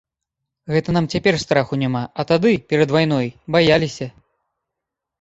Гэта нам цяпер страху няма, а тады, перад вайною, баяліся.